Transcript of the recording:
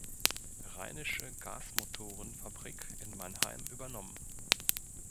Rheinische Gasmotorenfabrik in Mannheim" übernommen.